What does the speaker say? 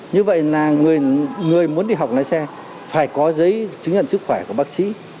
như vậy là người muốn đi học lái xe phải có giấy chứng nhận sức khỏe của bác sĩ